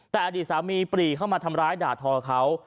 แต่อดีตสามีปรีเข้ามาทำร้ายด่าทอเขา